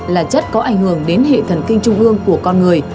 là chất có ảnh hưởng đến hệ thần kinh trung ương của con người